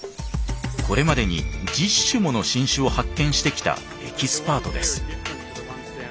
これまでに１０種もの新種を発見してきたエキスパートです。